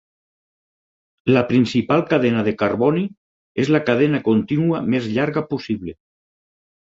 La principal cadena de carboni és la cadena contínua més llarga possible.